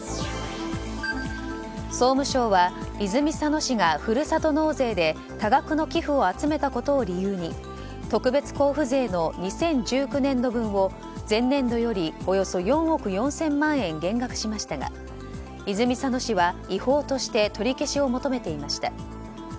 総務省は泉佐野市がふるさと納税で多額の寄付を集めたことを理由に特別交付税の２０１９年度分を前年度よりおよそ４億４０００万円減額しましたが泉佐野市は違法として取り消しを求めていました。